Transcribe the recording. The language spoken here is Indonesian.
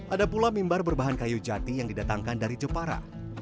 ada pula mimbar berbahan kayu jati yang didatangkan dari jepara